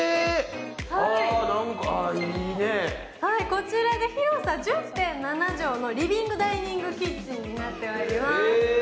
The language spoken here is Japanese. こちらが広さ１０．７畳のリビングダイニングキッチンになっております